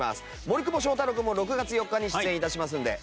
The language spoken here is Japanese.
森久保祥太郎君も６月４日に出演致しますので。